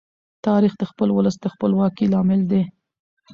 تاریخ د خپل ولس د خپلواکۍ لامل دی.